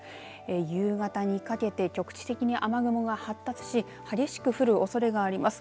夕方にかけて局地的に雨雲が発達し激しく降るおそれがあります。